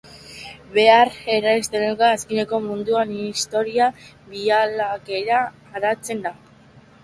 Bertan Errealaren azken mendeko historiaren bilakaera aztertzen da.